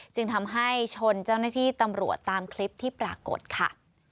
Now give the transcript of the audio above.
จึงทำให้ชนเจ้าหน้าที่ตำรวจตามคลิปที่ปรากฏค่ะ